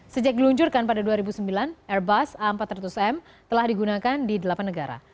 sejak diluncurkan pada dua ribu sembilan airbus a empat ratus m telah digunakan di delapan negara